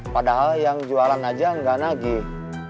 padahal yang jualan aja nggak nagih